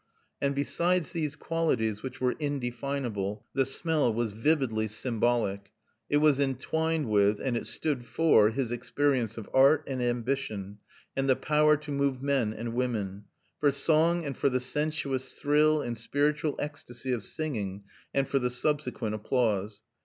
And besides these qualities which were indefinable, the smell was vividly symbolic. It was entwined with and it stood for his experience of art and ambition and the power to move men and women; for song and for the sensuous thrill and spiritual ecstasy of singing and for the subsequent applause.